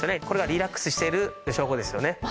これがリラックスしている証拠ですよね。